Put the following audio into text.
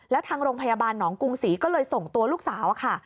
แล้วทางโรงพยาบาลหนองกรุงศรีก็เลยส่งตัวลูกสาวค่ะ